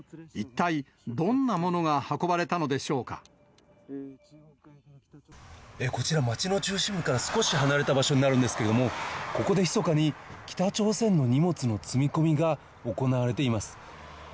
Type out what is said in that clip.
一体どんなものが運ばれたのでしこちら、街の中心部から少し離れた場所になるんですけれども、ここでひそかに、北朝鮮の荷物の積み込みが行われています。